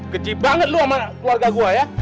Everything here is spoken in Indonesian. keji banget lu sama keluarga gue ya